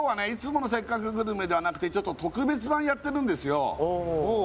いつもの「せっかくグルメ！！」ではなくてちょっと特別版やってるんですよ